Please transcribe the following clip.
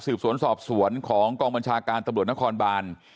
สวนสอบสวนของกองบัญชาการตำรวจนครบาน